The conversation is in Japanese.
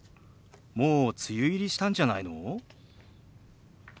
もう梅雨入りしたんじゃないの？